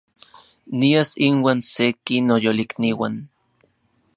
Nias inuan seki noyolikniuan